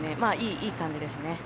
いい感じですね。